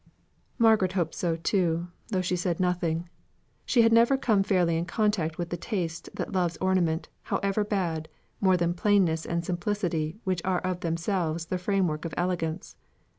Margaret hoped so too, though she said nothing. She had never come fairly in contact with the taste that loves ornament, however bad, more than the plainness and simplicity which are of themselves the framework of elegance.